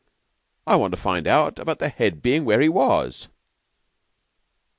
I want to find out about the Head bein' where he was."